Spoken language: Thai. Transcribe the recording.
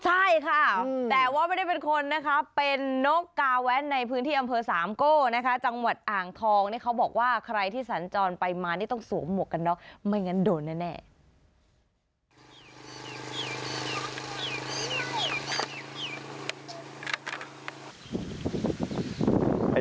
ใช่ค่ะแต่ว่าไม่ได้เป็นคนนะคะเป็นนกกาแว้นในพื้นที่อำเภอสามโก้นะคะจังหวัดอ่างทองนี่เขาบอกว่าใครที่สัญจรไปมานี่ต้องสวมหมวกกันน็อกไม่งั้นโดนแน่